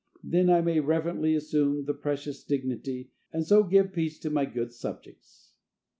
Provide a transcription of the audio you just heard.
Then I may reverently assume the precious dignity, and so give peace to my good subjects.